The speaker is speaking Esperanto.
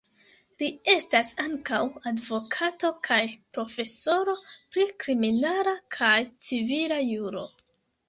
Li estas ankaŭ advokato kaj profesoro pri kriminala kaj civila juro.